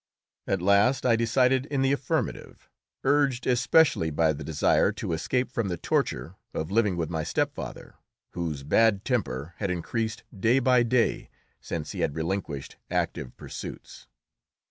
At last I decided in the affirmative, urged especially by the desire to escape from the torture of living with my stepfather, whose bad temper had increased day by day since he had relinquished active pursuits.